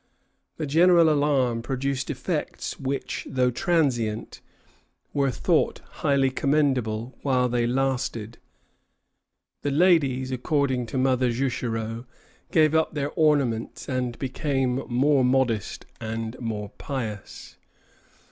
The general alarm produced effects which, though transient, were thought highly commendable while they lasted. The ladies, according to Mother Juchereau, gave up their ornaments, and became more modest and more pious.